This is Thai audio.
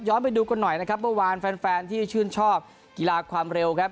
ไปดูกันหน่อยนะครับเมื่อวานแฟนแฟนที่ชื่นชอบกีฬาความเร็วครับ